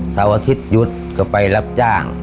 เสาร์อาทิตยุดก็ไปรับจ้าง